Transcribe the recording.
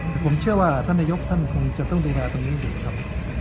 แต่ผมเชื่อว่าท่านนายกท่านคงจะต้องดูแลตรงนี้อยู่ครับ